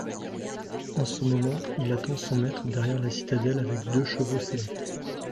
En ce moment il attend son maître derrière la citadelle avec deux chevaux sellés.